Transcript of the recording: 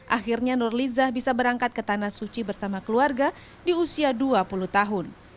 akhirnya nurlizah bisa berangkat ke tanah suci bersama keluarga di usia dua puluh tahun